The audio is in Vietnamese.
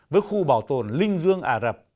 với khu bảo tồn linh dương ả rập